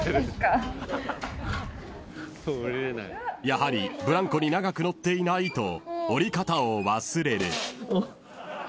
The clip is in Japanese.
［やはりブランコに長く乗っていないと降り方を忘れる］